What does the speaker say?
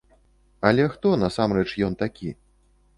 Але хто, насамрэч, ён такі?